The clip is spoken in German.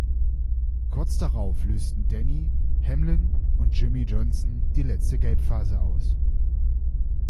Kurz darauf lösten Denny Hamlin und Jimmie Johnson die letzte Gelbphase aus.